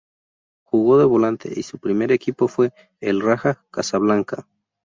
Jugó de volante y su primer equipo fue el Raja Casablanca.